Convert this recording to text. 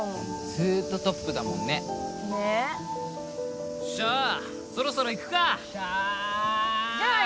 ずーっとトップだもんねねえじゃあそろそろ行くかじゃあね